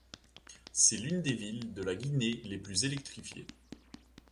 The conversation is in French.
C'est l'une des villes de la Guinée les plus électrifiées.